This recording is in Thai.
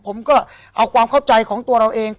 ผมก็เอาความเข้าใจของตัวเราเอง